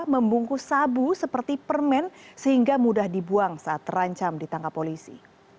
membungkus sabu seperti permen sehingga mudah dibuang saat terancam ditangkap polisi